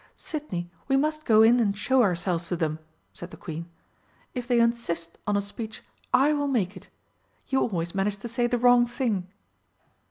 "Sidney, we must go in and show ourselves to them," said the Queen. "If they insist on a speech I will make it you always manage to say the wrong thing!"